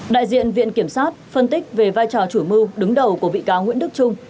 đại diện viện kiểm sát phân tích về vai trò chủ mưu đứng đầu của bị cáo nguyễn đức trung